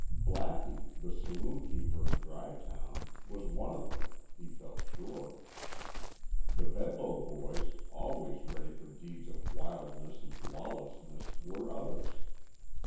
Blackie, the saloon keeper in Dry Town, was one of them, he felt sure. The Bedloe boys, always ready for deeds of wildness and lawlessness, were others.